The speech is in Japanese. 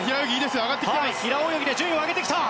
平泳ぎで順位を上げてきた。